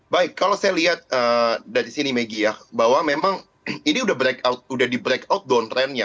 baik kalau saya lihat dari sini megi ya bahwa memang ini sudah di break outdown trendnya